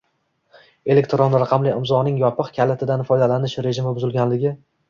elektron raqamli imzoning yopiq kalitidan foydalanish rejimi buzilganligi